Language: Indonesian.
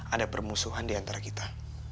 ada permusuhan di antara kita